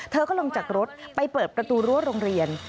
เธอก็ลงจากรถไปเปิดประตูรั้วโรงเรียน